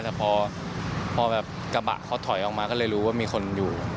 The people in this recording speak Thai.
แต่พอแบบกระบะเขาถอยออกมาก็เลยรู้ว่ามีคนอยู่